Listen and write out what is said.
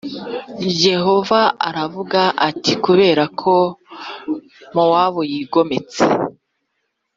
Yehova aravuze ati kubera ko Mowabu yigometse